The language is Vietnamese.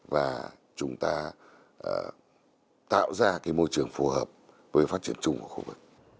và chúng ta tạo ra cái môi trường phù hợp với phát triển chung của khu vực